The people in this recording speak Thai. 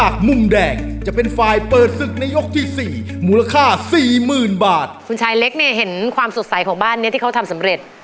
คุณชายเล็กเนี่ยเห็นความสดใสของบ้านนี้ที่เขาทำสำเร็จ